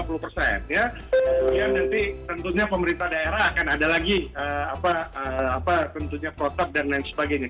kemudian nanti tentunya pemerintah daerah akan ada lagi tentunya protap dan lain sebagainya